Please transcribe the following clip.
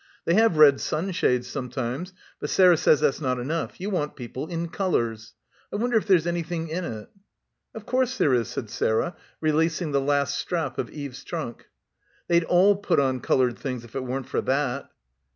They have red sunshades sometimes, but Sarah says that's not enough; you want people in colours. I wonder if there's any thing in it?" "Of course there is," said Sarah, releasing the last strap of Eve's trunk. "They'd all put on coloured things if it weren't for that."